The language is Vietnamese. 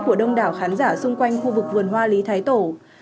của đông đảo khán giả xung quanh khu vực vườn hoa lý thái tổ